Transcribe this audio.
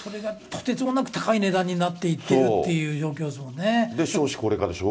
それがとてつもなく高い値段になっていってるっていう状況でで、少子高齢化でしょ。